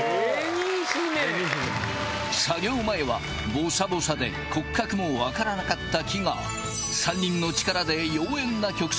作業前はボサボサで骨格も分からなかった木が３人の力で妖艶な曲線を持つ盆栽に生まれ変わった